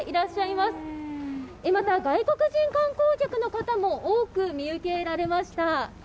また外国人観光客の方も多く見受けられました。